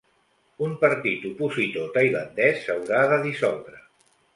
Un partit opositor tailandès s'haurà de dissoldre